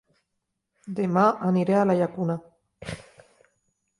Dema aniré a La Llacuna